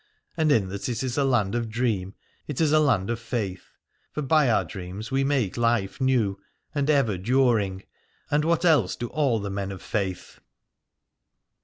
And in that it is a land of dream it is a land of faith : for by our dreams we make life new and ever during, and what else do all the men of faith